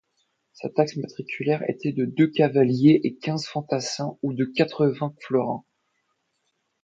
Sa taxe matriculaire était de deux cavaliers et quinze fantassins ou de quatre-vingt-quatre florins.